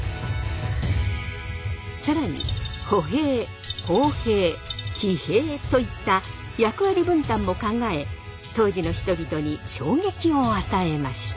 更に歩兵砲兵騎兵といった役割分担も考え当時の人々に衝撃を与えました。